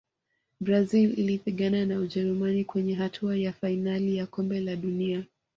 brazil ilipigana na jerumani kwenye hatua ya fainali ya kombe la dunia